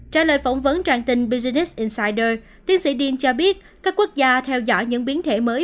trả lời phỏng vấn trang tin business incyder tiến sĩ diên cho biết các quốc gia theo dõi những biến thể mới